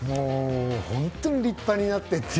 本当に、立派になってってい